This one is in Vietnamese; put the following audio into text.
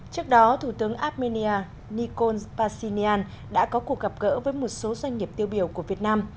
trước đó thủ tướng armenia nikol pashinyan đã có cuộc gặp gỡ với một số doanh nghiệp tiêu biểu của việt nam